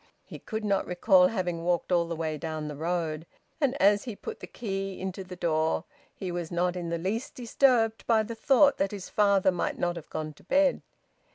He could not recall having walked all the way down the road. And as he put the key into the door he was not in the least disturbed by the thought that his father might not have gone to bed.